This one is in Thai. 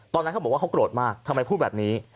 ตอนนั้นเขาบอกว่าเขาโกรธมากทำไมพูดแบบนี้